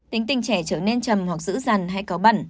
tính tình trẻ trở nên chậm hoặc dữ dằn hay cáo bẩn